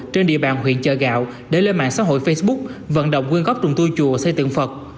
trên địa bàn huyện chợ gạo để lên mạng xã hội facebook vận động quyên góp trùng tu chùa xây tượng phật